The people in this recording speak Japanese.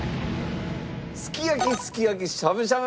すき焼きすき焼きしゃぶしゃぶ。